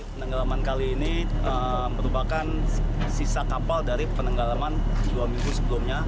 penenggelaman kali ini merupakan sisa kapal dari penenggelaman dua minggu sebelumnya